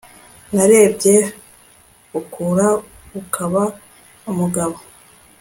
narebye ukura ukaba umugabo